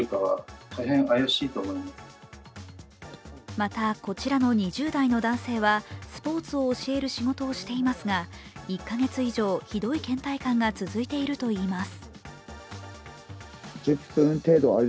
また、こちらの２０代の男性はスポーツを教える仕事をしていますが、１か月以上、ひどいけん怠感が続いているといいます。